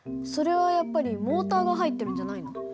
それはやっぱりモーターが入ってるんじゃないの？